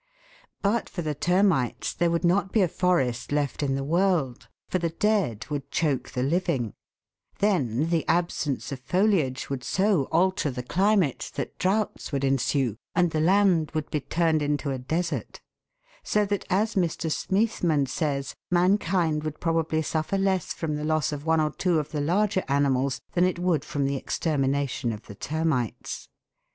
But for the termites there would not be a forest left in the world, for the dead would choke the living; then the absence of foliage would so alter the climate that droughts would ensue, and the land would be turned into a desert ; so that, as Mr. Smeathman says, mankind would probably suffer less from the loss of one or two of the larger animals than it would from the extermination of the termites.